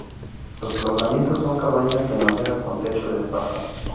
Los alojamientos son cabañas de madera con techo de paja.